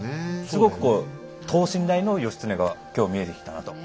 すごくこう等身大の義経が今日見えてきたなと。